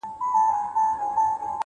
اراده د ستونزو قد ټیټوي؛